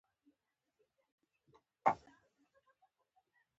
د ماشوم روزنې لپاره کتاب لوستل غوره دي.